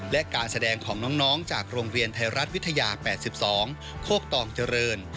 และการแสดงของน้องจากโรงเรียนไทยรัฐวิทยา๘๒โคกตองเจริญ